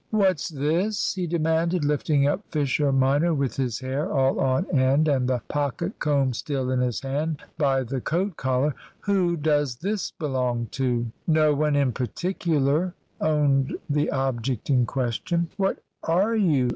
"What's this?" he demanded, lifting up Fisher minor, with his hair all on end and the pocket comb still in his hand, by the coat collar. "Who does this belong to?" No one in particular owned the object in question. "What are you?"